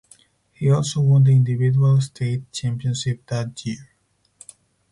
He also won the individual state championship that year.